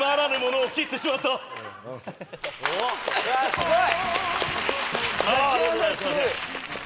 すごい！